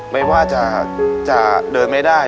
ไม่ว่าจะเดินไม่ได้